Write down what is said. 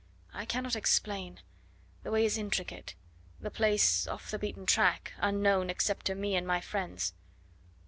"I cannot explain; the way is intricate; the place off the beaten track, unknown except to me and my friends."